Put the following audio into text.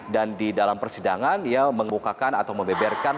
dan di dalam persidangan dia membukakan atau membeberkan